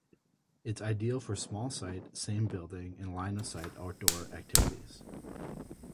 It is ideal for small-site, same-building and line of sight outdoor activities.